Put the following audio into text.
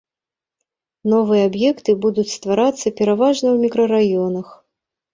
Новыя аб'екты будуць стварацца пераважна ў мікрараёнах.